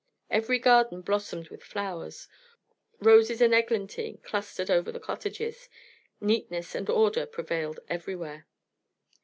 Every garden blossomed with flowers; roses and eglantine clustered over the cottages, neatness and order prevailed everywhere.